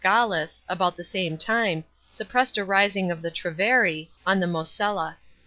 iallus, about the same time, suppressed a rising of the Treveri, on the MosHla.